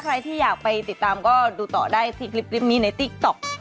ใครที่อยากไปติดตามก็ดูต่อได้ที่คลิปนี้ในติ๊กต๊อก